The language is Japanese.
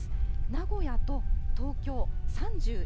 名古屋と東京、３１度。